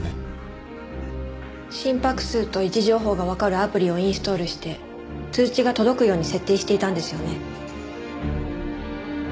心拍数と位置情報がわかるアプリをインストールして通知が届くように設定していたんですよね？